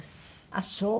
ああそう。